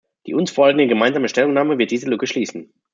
Die uns vorliegende Gemeinsame Stellungnahme wird diese Lücke schließen.